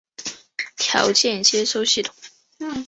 条件接收系统。